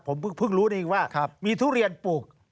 ผมเพิ่งรู้ได้อีกว่ามีทุเรียนปลูก